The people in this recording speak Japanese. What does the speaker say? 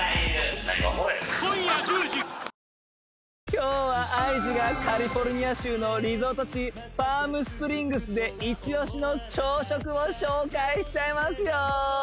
今日はＩＧがカリフォルニア州のリゾート地パーム・スプリングスでイチ押しの朝食を紹介しちゃいますよ